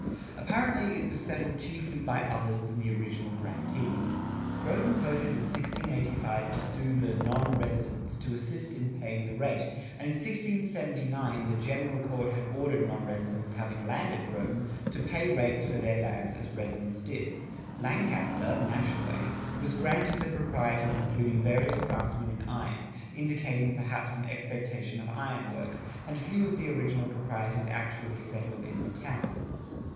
Apparently it was settled chiefly by others than the original grantees.[57:1] Groton voted in 1685 to sue the "non Residenc" to assist in paying the rate, and in 1679 the General Court had ordered non residents having land at Groton to pay rates for their lands as residents did.[57:2] Lancaster (Nashaway) was granted to proprietors including various craftsmen in iron, indicating, perhaps, an expectation of iron works, and few of the original proprietors actually settled in the town.